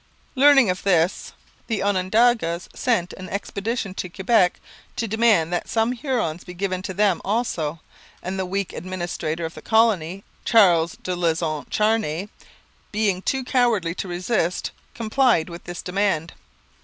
Learning of this, the Onondagas sent an expedition to Quebec to demand that some Hurons should be given to them also, and the weak administrator of the colony, Charles de Lauzon Charny, being too cowardly to resist, complied with this demand.